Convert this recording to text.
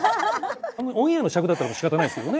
オンエアの尺だったらしかたないですけどね。